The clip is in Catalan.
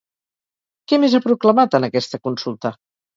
Què més ha proclamat en aquesta consulta?